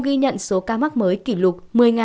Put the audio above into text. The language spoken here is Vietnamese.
ghi nhận số ca mắc mới kỷ lục